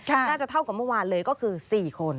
น่าจะเท่ากับเมื่อวานเลยก็คือ๔คน